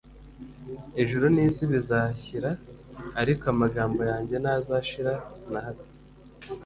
"Ijuru n'isi bizashyira, ariko amagambo yanjye ntazashira na hato."